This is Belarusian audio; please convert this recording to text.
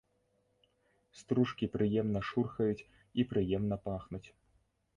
Стружкі прыемна шурхаюць і прыемна пахнуць.